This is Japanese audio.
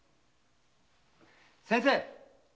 ・先生！